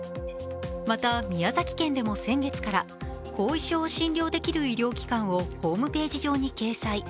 また宮崎県でも先月から後遺症を診療できる医療機関をホームページ上に掲載。